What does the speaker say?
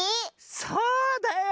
そうだよね。